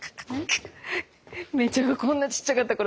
芽依ちゃんがこんなちっちゃかった頃。